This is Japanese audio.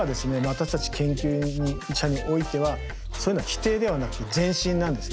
私たち研究者においてはそういうのは否定ではなくて前進なんですね。